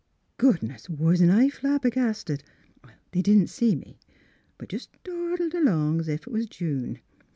" Goodness ! Wasn't I flabbergasted. They didn't see me; but just dawdled along 's if it was June.